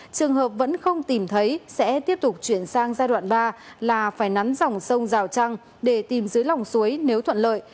trường hợp vẫn không tìm thấy sẽ tiếp tục chuyển sang giai đoạn ba là phải nắn dòng sông rào trăng để tìm dưới lòng suối nếu thuận lợi